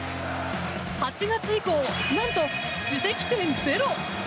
８月以降、何と自責点ゼロ！